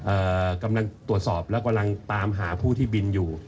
กำลังตรวจสอบแล้วกำลังตามหาผู้ที่บินอยู่